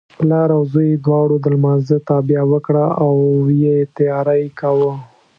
پلار او زوی دواړو د لمانځه تابیا وکړه او یې تیاری کاوه.